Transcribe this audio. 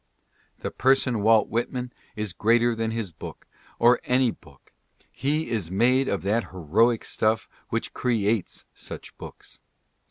The person Walt Whitman is greater than his book, or any book. He is made of that heroic stuff which creates such books.